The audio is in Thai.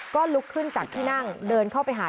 ก็ลุกขึ้นจากที่นั่งเดินเข้าไปหา